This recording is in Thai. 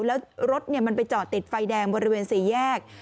แล้วรถเนี่ยมันไปจอดติดไฟแดงบนระเวน๔แยก